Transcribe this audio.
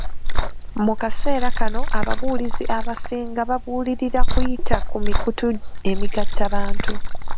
Mu kaseera kano, ababuulizi abasinga babuulirira kuyita ku mikutu emigatta bantu.